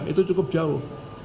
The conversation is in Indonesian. itu cukup jauh